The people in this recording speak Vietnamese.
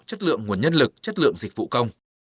chất lượng nguồn nhân lực chất lượng dịch vụ công